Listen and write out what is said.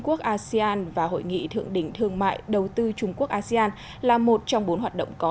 quốc asean và hội nghị thượng đỉnh thương mại đầu tư trung quốc asean là một trong bốn hoạt động có